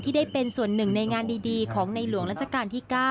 ได้เป็นส่วนหนึ่งในงานดีของในหลวงรัชกาลที่๙